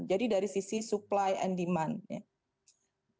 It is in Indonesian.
jadi dari sisi supply and demand